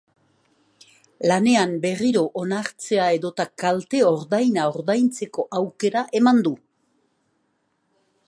Lanean berriro onartzea edota kalte-ordaina ordaintzeko aukera eman du.